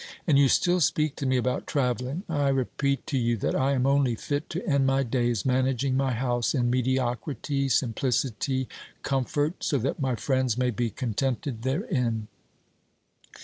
And you still speak to me about travelling ! I repeat to you that I am only fit to end my days managing my house in mediocrity, simplicity, comfort, so that my friends may be contented therein.